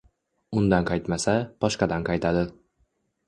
Undan qaytmasa, boshqadan qaytadi.